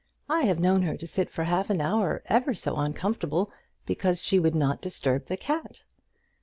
I have known her sit for half an hour ever so uncomfortable, because she would not disturb the cat."